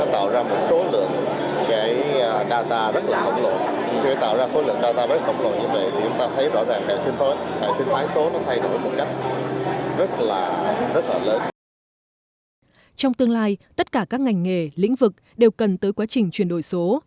trong tương lai tất cả các ngành nghề lĩnh vực đều cần tới quá trình chuyển đổi số